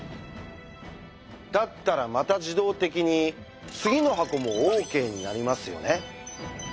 だったらまた自動的に「次の箱もＯＫ！」になりますよね。